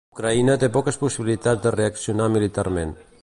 Ucraïna té poques possibilitats de reaccionar militarment.